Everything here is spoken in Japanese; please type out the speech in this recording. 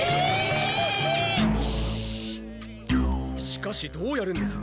しかしどうやるんです？